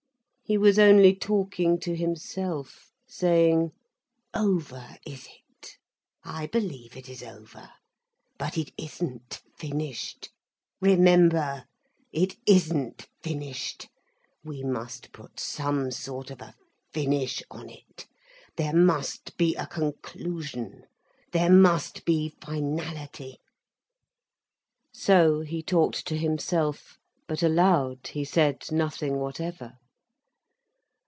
He was only talking to himself, saying "Over, is it? I believe it is over. But it isn't finished. Remember, it isn't finished. We must put some sort of a finish on it. There must be a conclusion, there must be finality." So he talked to himself, but aloud he said nothing whatever.